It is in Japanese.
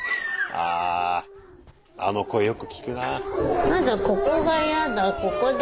あああの声よく聞くなあ。